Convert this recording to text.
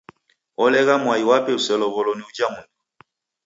Olegha mwai wape uselow'olo ni uja mndu.